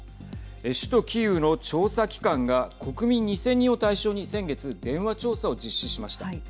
首都キーウの調査機関が国民２０００人を対象に先月、電話調査を実施しました。